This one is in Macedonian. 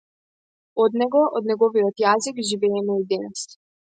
Од него, од неговиот јазик живееме и денес.